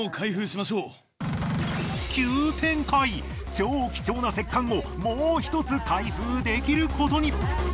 超貴重な石棺をもう１つ開封できることに！